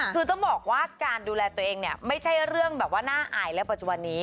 คือต้องบอกว่าการดูแลตัวเองเนี่ยไม่ใช่เรื่องแบบว่าน่าอายและปัจจุบันนี้